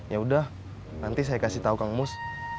yaudah nanti saya kasih tau kangmus